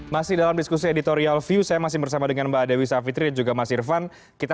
masih dalam diskusi editorial view saya masih bersama dengan mbak dewi savitri dan juga mas irvan kita